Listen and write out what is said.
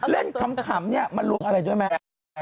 ขำเนี่ยมันลวงอะไรด้วยไหม